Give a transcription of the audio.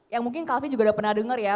yang mungkin kelvin juga udah pernah denger ya